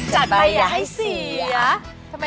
จัดไปให้สีอะ